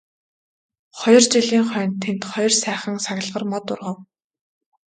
Хоёр жилийн хойно тэнд хоёр сайхан саглагар мод ургав.